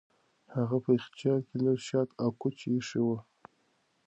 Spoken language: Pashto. هغه په یخچال کې لږ شات او کوچ ایښي وو.